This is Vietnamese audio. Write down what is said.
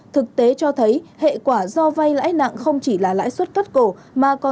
thực tế cho thấy hệ quả do vay lãi nặng không chỉ là lãi suất cất cổ